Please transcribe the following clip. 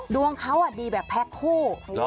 ดวงเขาดีแบบแพ็คคู่